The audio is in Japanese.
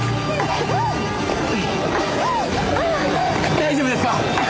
大丈夫ですか？